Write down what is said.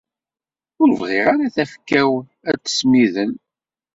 Ur bɣiɣ ara tafekka-w ad tesmidel.